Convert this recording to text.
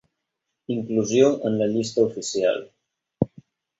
Inclusió en la llista oficial.